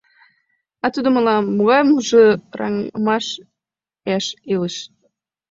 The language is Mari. А тудо мылам: «Могай мужыраҥмаш, еш илыш?